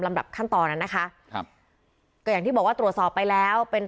มีกล้วยติดอยู่ใต้ท้องเดี๋ยวพี่ขอบคุณ